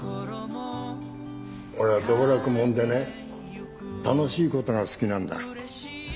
俺は道楽者でね楽しいことが好きなんだ。